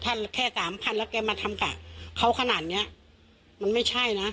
ถ้าแค่สามพันแล้วแกมาทำกะเขาขนาดเนี้ยมันไม่ใช่นะ